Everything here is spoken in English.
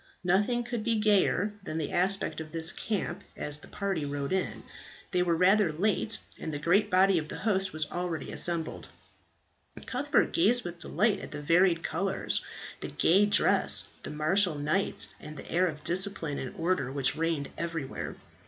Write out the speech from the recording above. Nothing could be gayer than the aspect of this camp as the party rode into it. They were rather late, and the great body of the host were already assembled. Cuthbert gazed with delight at the varied colours, the gay dresses, the martial knights, and the air of discipline and order which reigned everywhere.